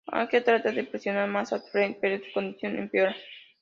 Ángel trata de presionar más a Fred, pero su condición empeora.